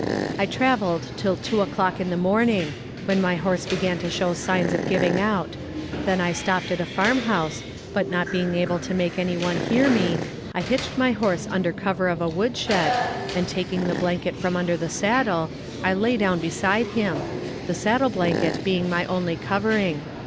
I traveled till two o'clock in the morning, when my horse began to show signs of giving out; then I stopped at a farm house, but not being able to make any one hear me, I hitched my horse under cover of a wood shed, and taking the blanket from under the saddle, I lay down beside him, the saddle blanket being my only covering.